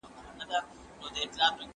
غوښه باید د خوړلو مخکې ښه پخه شي.